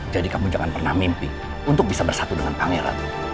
jadi kamu jangan pernah mimpi untuk bisa bersatu dengan pangeran